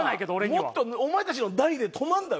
もっとお前たちの代で止まるんだよ